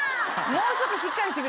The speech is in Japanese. もうちょっとしっかりして。